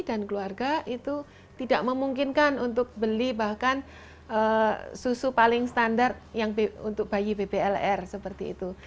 dan keluarga itu tidak memungkinkan untuk beli bahkan susu paling standar untuk bayi bblr seperti itu